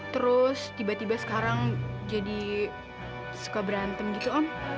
terus tiba tiba sekarang jadi suka berantem gitu kan